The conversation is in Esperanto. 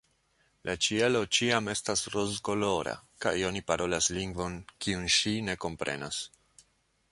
la ĉielo ĉiam estas rozkolora, kaj oni parolas lingvon kiun ŝi ne komprenas.